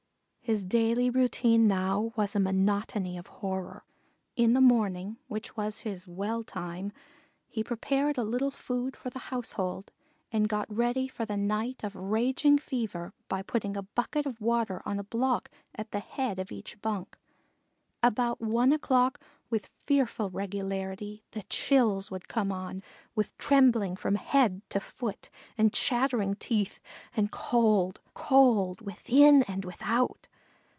His daily routine now was a monotony of horror. In the morning, which was his "well time," he prepared a little food for the household and got ready for the night of raging fever by putting a bucket of water on a block at the head of each bunk. About one o'clock, with fearful regularity, the chills would come on, with trembling from head to foot and chattering teeth, and cold, cold, within and without.